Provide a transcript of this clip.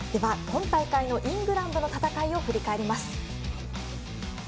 今大会のイングランドの戦いを振り返ります。